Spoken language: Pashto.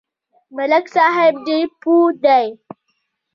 ملک صاحب ډېر پوه دی.